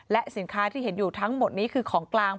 และสินค้าที่เห็นอยู่ทั้งหมดนี้คือของกลาง